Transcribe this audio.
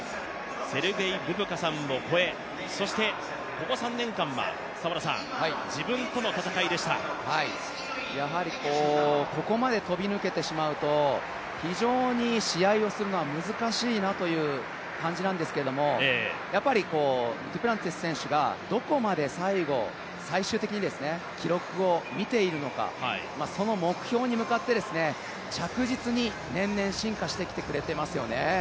セルゲイ・ブブカさんも超え、そしてここ３年間はやはりここまで飛び抜けてしまうと非常に試合をするのは難しいなという感じなんですけれども、やっぱりデュプランティス選手がどこまで最後、最終的に記録をみているのか、その目標に向かって着実に年々進化してきてくれていますよね。